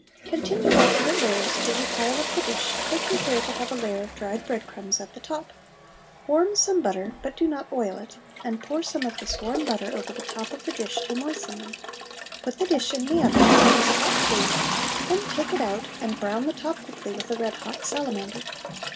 Continue alternate layers till you pile up the dish, taking care to have a layer of dried bread crumbs at the top. Warm some butter, but do not oil it, and pour some of this warm butter over the top of the dish to moisten them; put the dish in the oven till it is hot through, then take it out and brown the top quickly with a red hot salamander.